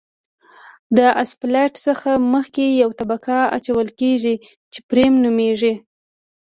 د اسفالټ څخه مخکې یوه طبقه اچول کیږي چې فریم نومیږي